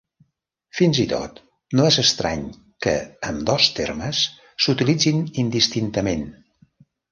Fins i tot, no és estrany que ambdós termes s'utilitzin indistintament.